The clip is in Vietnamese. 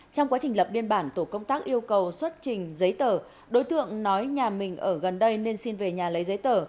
trong quá trình lập biên bản tổ công tác yêu cầu xuất trình giấy tờ đối tượng nói nhà mình ở gần đây nên xin về nhà lấy giấy tờ